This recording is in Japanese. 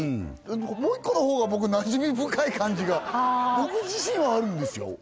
もう一個の方が僕なじみ深い感じが僕自身はあるんですよ